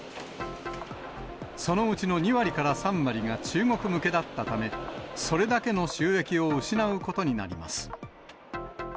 そのうちの２割から３割が中国向けだったため、それだけの収益を失うことになります。